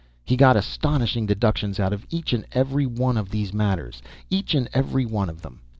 He got astonishing "deductions" out of each and every one of these matters each and every one of them.